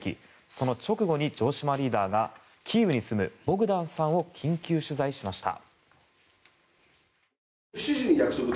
その直後に城島リーダーがキーウに住むボグダンさんを緊急取材しました。